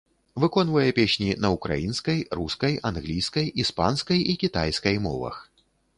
Выконвае песні на ўкраінскай, рускай, англійскай, іспанскай і кітайскай мовах.